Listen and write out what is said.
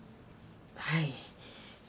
はい。